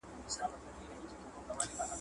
که شکر وباسو نو نعمت نه کمیږي.